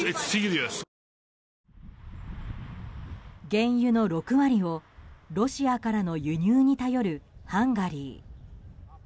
原油の６割をロシアからの輸入に頼るハンガリー。